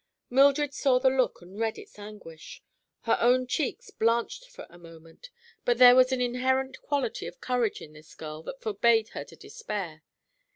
Mildred saw the look and read its anguish. Her own cheeks blanched for a moment, but there was an inherent quality of courage in this girl that forbade her to despair.